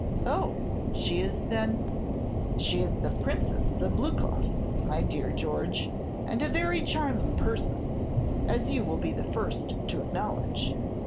"Oh! she is then " "She is the Princess Sabloukoff, my dear George, and a very charming person, as you will be the first to acknowledge.